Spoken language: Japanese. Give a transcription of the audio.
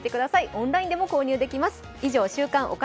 オンラインでも購入できます。